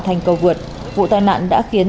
thành cầu vượt vụ tai nạn đã khiến